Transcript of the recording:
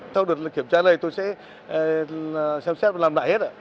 sau được kiểm tra đây tôi sẽ xem xét và làm lại hết